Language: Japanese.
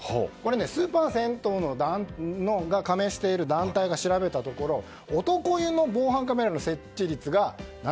スーパー銭湯が加盟している団体が調べたところ男湯の防犯カメラの設置率が７２％。